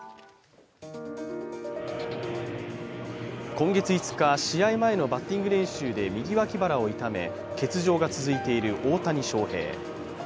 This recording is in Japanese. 今月５日、試合前のバッティング練習で右脇腹を痛め欠場が続いている大谷翔平。